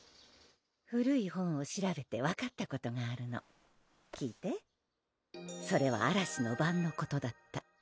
古い本を調べて分かったことがあるの聞いて「それは嵐の晩のことだった」